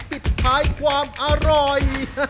ปิดท้ายความอร่อย